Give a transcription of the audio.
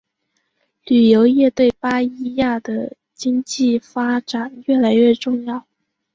旅游业对巴伊亚的经济发展越来越重要。